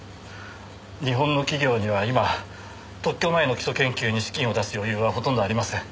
日本の企業には今特許前の基礎研究に資金を出す余裕はほとんどありません。